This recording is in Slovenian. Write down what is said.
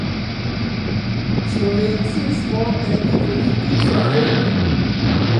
Kaj naj naredimo?